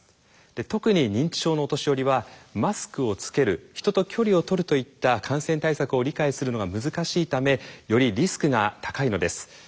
特に認知症のお年寄りはマスクをつける人と距離をとるといった感染対策を理解するのが難しいためよりリスクが高いのです。